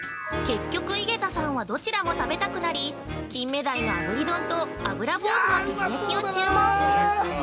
◆結局、井桁さんはどちらも食べたくなりキンメダイのあぶり丼とあぶらぼうずの照り焼きを注文。